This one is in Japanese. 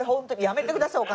やめてください！